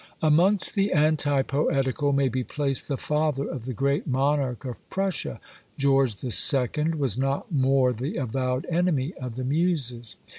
Amongst the anti poetical may be placed the father of the great monarch of Prussia. George the Second was not more the avowed enemy of the muses.